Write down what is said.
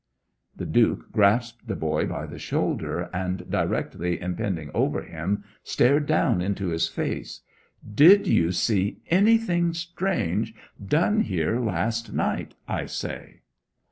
The Duke grasped the boy by the shoulder, and, directly impending over him, stared down into his face, 'Did you see anything strange done here last night, I say?'